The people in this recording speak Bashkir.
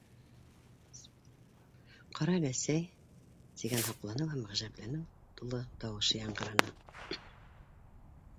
Ҡара әле, әсәй! - тигән һоҡланыу һәм ғәжәпләнеү тулы тауышы яңғыраны.